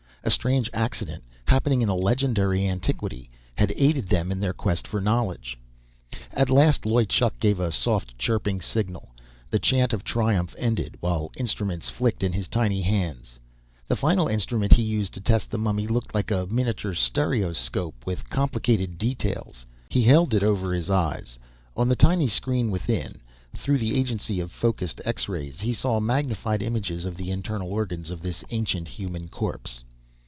A strange accident, happening in a legendary antiquity, had aided them in their quest for knowledge. At last Loy Chuk gave a soft, chirping signal. The chant of triumph ended, while instruments flicked in his tiny hands. The final instrument he used to test the mummy, looked like a miniature stereoscope, with complicated details. He held it over his eyes. On the tiny screen within, through the agency of focused X rays, he saw magnified images of the internal organs of this ancient human corpse.